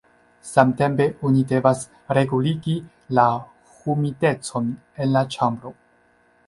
Samtempe oni devas reguligi la humidecon en la ĉambro.